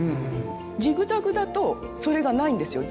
ジグザグだとそれがないんですよ。